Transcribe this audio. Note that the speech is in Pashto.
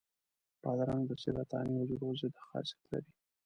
بادرنګ د سرطاني حجرو ضد خاصیت لري.